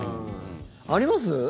あります？